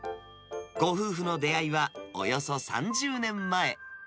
ご夫婦の出会いはおよそ３０年前。